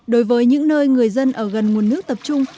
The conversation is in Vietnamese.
đối với những nơi người dân ở gần nguồn nước tập trung